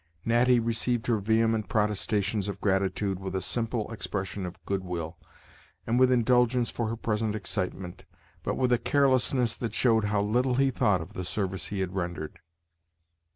Natty received her vehement protestations of gratitude with a simple expression of good will, and with indulgence for her present excitement, but with a carelessness that showed how little he thought of the service he had rendered.